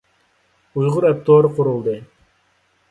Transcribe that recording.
ئۇيغۇر ئەپ تورى قۇرۇلدى.